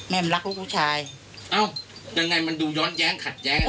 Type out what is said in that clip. แม่มันรักลูกลูกชายเอ้ายังไงมันดูย้อนแย้งขัดแย้ง